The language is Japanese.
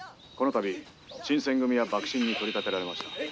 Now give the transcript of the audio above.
「この度新選組は幕臣に取り立てられました」。